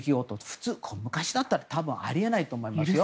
普通、昔だったらあり得ないと思いますよ。